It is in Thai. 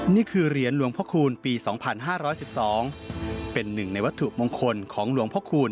นี่คือเหรียญหลวงพระคูณปี๒๕๑๒เป็นหนึ่งในวัตถุมงคลของหลวงพระคูณ